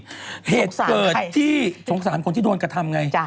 เหตุเกิดที่สงสารคนที่โดนกระทำไง